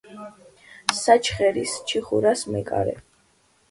საჩხერის „ჩიხურას“ მეკარე.